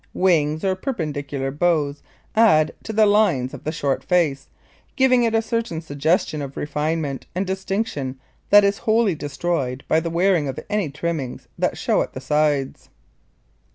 Wings, or perpendicular bows, add length to the lines of the short face, giving it a certain suggestion of refinement and distinction that is wholly destroyed by the wearing of any trimmings that show at the sides.